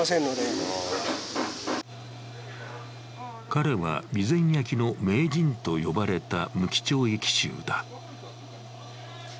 彼は備前焼の名人と呼ばれた無期懲役囚だ。